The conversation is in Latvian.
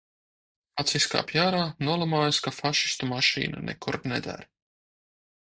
Pats izkāpj ārā, nolamājas, ka fašistu mašīna nekur neder.